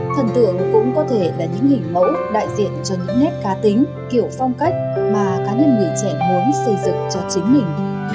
thần tượng cũng có thể là những hình mẫu đại diện cho những nét cá tính kiểu phong cách mà cá nhân người trẻ muốn xây dựng cho chính mình